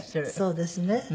そうですね。